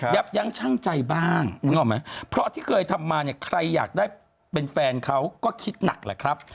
ยั้งช่างใจบ้างนึกออกไหมเพราะที่เคยทำมาเนี่ยใครอยากได้เป็นแฟนเขาก็คิดหนักแหละครับ